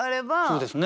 そうですね。